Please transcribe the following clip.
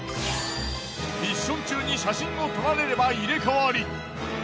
ミッション中に写真を撮られれば入れ替わり。